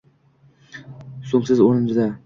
So‘ngso‘z o‘rnida.